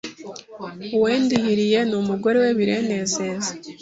uwendihiriye n‘umugore we birenezeze